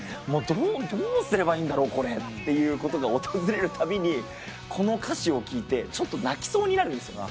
「どうすればいいんだろ？これ」っていうことが訪れるたびにこの歌詞を聴いてちょっと泣きそうになる。